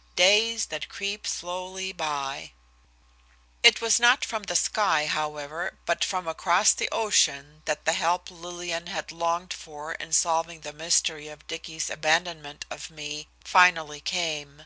XLII DAYS THAT CREEP SLOWLY BY It was not from the sky, however, but from across the ocean that the help Lillian had longed for in solving the mystery of Dicky's abandonment of me, finally came.